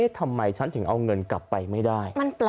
ทำไมฉันถึงเอาเงินกลับไปไม่ได้